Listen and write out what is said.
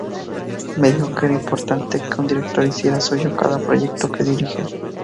Me dijo que era importante que un director hiciera suyo cada proyecto que dirige.